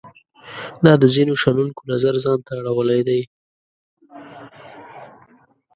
دا د ځینو شنونکو نظر ځان ته اړولای دی.